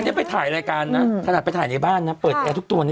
วันนี้ถ้าไปถ่ายรายการนะถ้าเราไปถ่ายในบ้านเปิดแอร์ทุกวันนี้